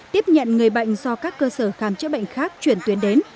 tiếp nhận người bệnh do các cơ sở khám chữa bệnh khác chuyển tuyến đến